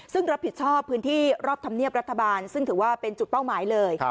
ซึ่งรับผิดชอบพื้นที่รอบธรรมเนียบรัฐบาลซึ่งถือว่าเป็นจุดเป้าหมายเลย